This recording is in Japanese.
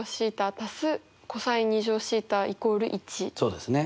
そうですね。